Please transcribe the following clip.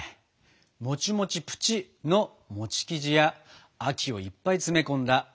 「もちもちぷちっ！」の生地や秋をいっぱい詰め込んだあん。